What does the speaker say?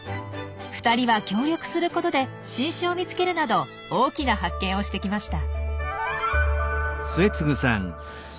２人は協力することで新種を見つけるなど大きな発見をしてきました。